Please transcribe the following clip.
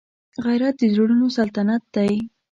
غیرت د زړونو سلطنت دی